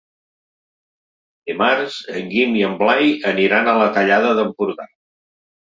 Dimarts en Guim i en Blai aniran a la Tallada d'Empordà.